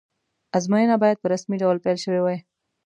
ازموینه باید په رسمي ډول پیل شوې وی.